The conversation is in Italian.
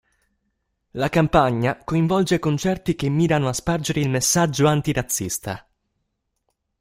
La campagna coinvolge concerti che mirano a spargere il messaggio antirazzista.